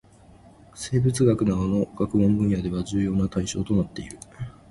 天文学だけでなく地質学・化学・生物学などの学問分野では重要な対象となっている